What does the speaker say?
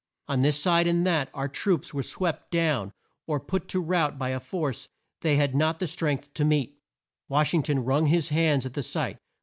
On this side and that, our troops were swept down or put to rout by a force they had not strength to meet. Wash ing ton wrung his hands at the sight.